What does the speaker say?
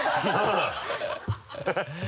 ハハハ